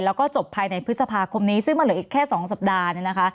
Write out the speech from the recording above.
แล้วก็จบภายในพฤษภาคมนี้ซึ่งมันเหลืออีกแค่๒สัปดาห์เนี่ยนะคะ